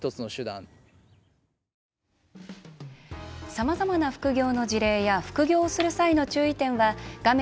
さまざまな副業の事例や副業する際の注意点は画面